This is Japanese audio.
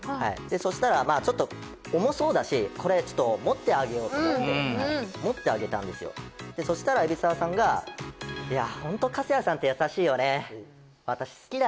そしたらまあちょっと重そうだしこれちょっと持ってあげようと思って持ってあげたんですよでそしたら海老沢さんが「いやホント糟谷さんって優しいよね」